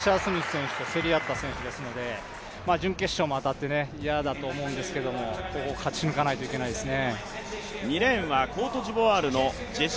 同じ予選でアッシャー・スミス選手と競り合った選手ですので準決勝も当たって、嫌だと思うんですけどここ勝ち抜かないといけないですね。